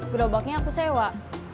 gerobaknya aku sewa